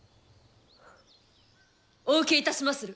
お受けいたしまする。